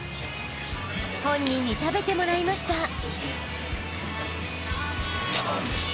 ［本人に食べてもらいました］